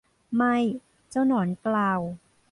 ไม่ เจ้าหนอนกล่าว